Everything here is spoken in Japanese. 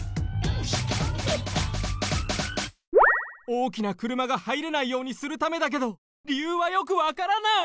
おおきなくるまがはいれないようにするためだけどりゆうはよくわからない！